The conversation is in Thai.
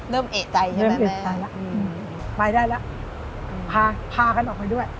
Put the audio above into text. เริ่มเอกใจใช่ไหมเอกใจแล้วไปได้แล้วพาพากันออกไปด้วย